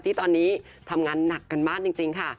ที่ตอนนี้ทำงานหนักกันมากจริงค่ะ